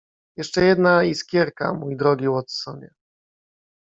"Jeszcze jedna iskierka, mój drogi Watsonie."